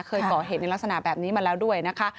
เคยก่อเหตุในลักษณะแบบนี้มาแล้วด้วยนะคะ